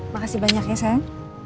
makasih banyak ya sayang